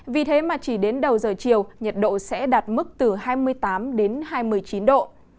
vì thế mà chỉ đến đầu giờ chiều nhiệt độ sẽ đạt mức từ hai mươi tám đến hai mươi chín độ